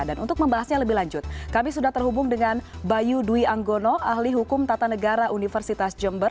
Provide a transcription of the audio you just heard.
dan untuk membahasnya lebih lanjut kami sudah terhubung dengan bayu dwi anggono ahli hukum tata negara universitas jember